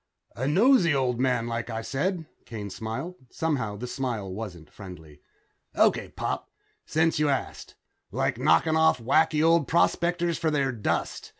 "A nosey old man, like I said," Kane smiled. Somehow, the smile wasn't friendly. "Okay, Pop, since you ask. Like knocking off wacky old prospectors for their dust.